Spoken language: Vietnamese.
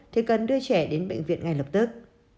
thì cần đưa trẻ đến bệnh viện ngay lập tức